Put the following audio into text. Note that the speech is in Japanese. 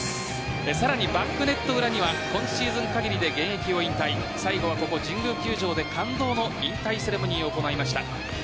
さらに、バックネット裏には今シーズン限りで現役を引退最後はここ、神宮球場で感動の引退セレモニーを行いました